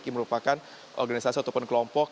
yang merupakan organisasi ataupun kelompok